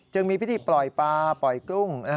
มีพิธีปล่อยปลาปล่อยกุ้ง